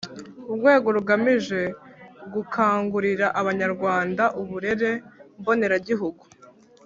urwego rugamije gukangurira abanyarwanda uburere mboneragihugu